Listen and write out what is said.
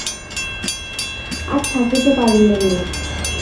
আর থাকিতে পারিলেন না।